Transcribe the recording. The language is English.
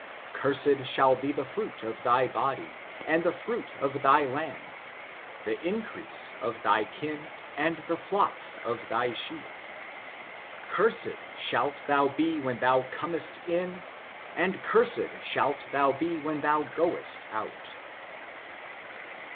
Cursed shall be the firuit of thy body, FORTUNES, OF THE NEGRO RACE. 101 I ' and the fruit of thy land, the increase of thy kine and the flocks of thy sheep. Cursed sbalt thou be when thou comest in, and cursed shalt thou be when thou goest out.''